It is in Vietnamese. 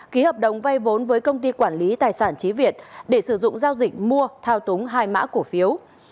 ký hợp đồng vay vốn với công ty quản lý tài sản trí việt để sử dụng giao dịch mua thao túng hai mã cổ phiếu